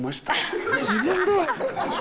自分で？